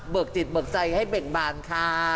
จิตเบิกใจให้เบ่งบานค่ะ